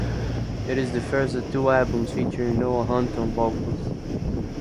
It is the first of two albums featuring Noah Hunt on vocals.